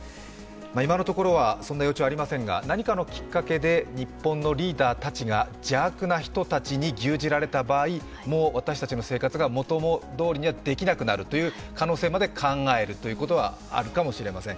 今のところはそんな予兆はありませんが、何かのきっかけで日本のリーダーたちが邪悪な人たちにぎゅうじられた場合、もう私たちの生活が元どおりにはできなくなるという可能性まで考えることはあるかもしれません。